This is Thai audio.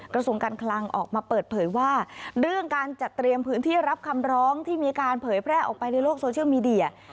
กระทรวงการคลังออกมาเปิดเผยว่าเรื่องการจัดเตรียมพื้นที่รับคำร้องที่มีการเผยแพร่ออกไปในโลกโซเชียลมีเดีย